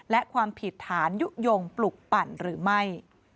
และความผิดฐานยุโยงปลุกปั่นหรือไม่